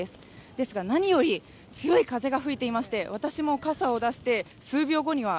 ですが、何より強い風が吹いていまして私も傘を出して数秒後には